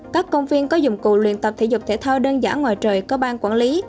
các công viên có dụng cụ luyện tập thể dục thể thao đơn giản ngoài trời có bang quản lý